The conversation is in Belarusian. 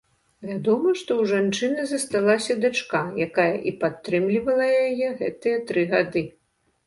Вядома, што ў жанчыны засталася дачка, якая і падтрымлівала яе гэтыя тры гады.